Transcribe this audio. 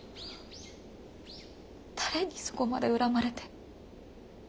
誰にそこまで恨まれて。